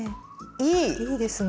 いいですね。